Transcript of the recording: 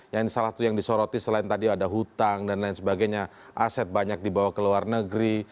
yang salah satu yang disoroti selain tadi ada hutang dan lain sebagainya aset banyak dibawa ke luar negeri